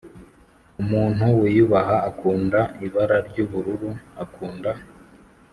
umuntu wiyubaha, akunda ibara ryubururu, akunda